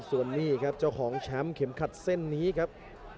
ส่วนนี้ครับเจ้าของแชมป์เข็มขัดเส้นนี้ครับ